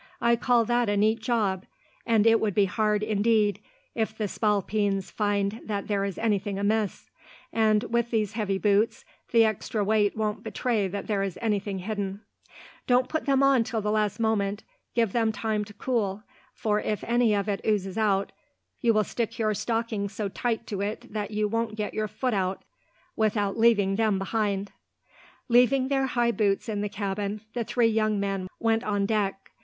"I call that a neat job, and it would be hard, indeed, if the spalpeens find that there is anything amiss. And, with these heavy boots, the extra weight won't betray that there is anything hidden. "Don't put them on till the last moment. Give them time to cool, for if any of it oozes out, you will stick your stockings so tight to it that you won't get your foot out without laving them behind." Leaving their high boots in the cabin, the three young men went on deck.